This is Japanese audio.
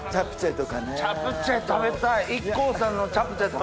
チャプチェ食べたい！